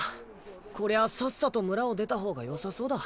こりゃさっさと村を出た方がよさそうだ。